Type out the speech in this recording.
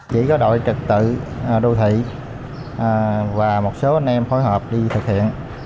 chỉ có đội trực tự đô thị và một số anh em phối hợp đi thực hiện